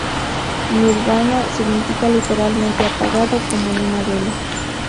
Nirvana significa literalmente "apagado", como en una vela.